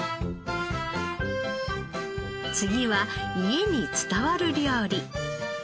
次は家に伝わる料理。